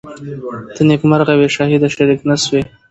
ته نیکمرغه وې شهیده شریک نه سوې